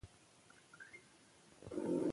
کندهار د افغانستان د چاپیریال د مدیریت لپاره مهم دي.